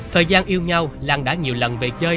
thời gian yêu nhau lan đã nhiều lần về chơi